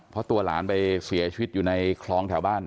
เพราะตัวหลานไปเสียชีวิตอยู่ในคลองแถวบ้าน